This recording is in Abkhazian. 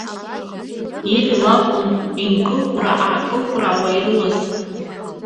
Ели лакәын инкылкәыр-аакылкәыруа ирылаз.